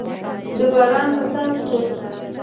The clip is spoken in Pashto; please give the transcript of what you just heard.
د باران په څاڅکو